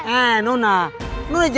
nona jangan perasaan buruk sama betta